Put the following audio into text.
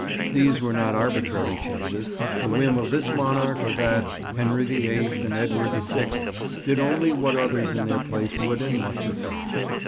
These were not arbitrary changes, the whim of this monarch or that, Henry the Eighth and Edward the Sixth did only what others in their place would and must have done.